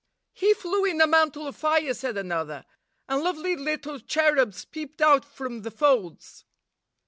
"He flew in a mantle of fire," said another; "and lovely little cherubs peeped out from the folds."